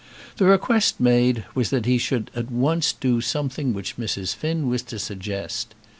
The request made was that he should at once do something which Mrs. Finn was to suggest.